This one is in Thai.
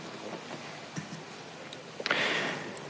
ครับ